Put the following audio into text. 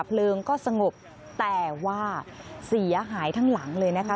เพลิงก็สงบแต่ว่าเสียหายทั้งหลังเลยนะคะ